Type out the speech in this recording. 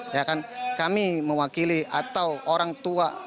ya kan kami mewakili atau orang tua